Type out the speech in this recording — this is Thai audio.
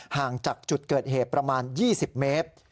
ห่างจากจุดเกิดเหตุประมาณ๒๐เมตร